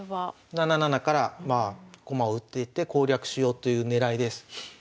７七から駒を打っていって攻略しようという狙いです。